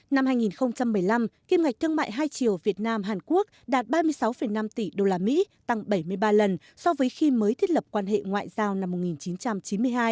năm hai nghìn một mươi năm kim ngạch thương mại hai triệu việt nam hàn quốc đạt ba mươi sáu năm tỷ usd tăng bảy mươi ba lần so với khi mới thiết lập quan hệ ngoại giao năm một nghìn chín trăm chín mươi hai